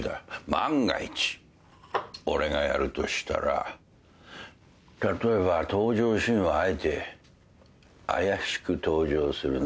万が一俺がやるとしたら例えば登場シーンはあえて怪しく登場するな。